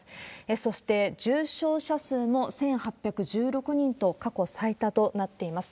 そして重症者数も１８１６人と、過去最多となっています。